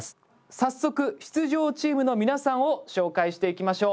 早速出場チームの皆さんを紹介していきましょう。